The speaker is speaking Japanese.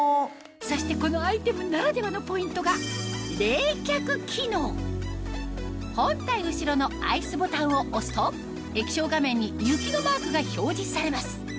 そしてこのアイテムならではのポイントが本体後ろのＩＣＥボタンを押すと液晶画面に雪のマークが表示されます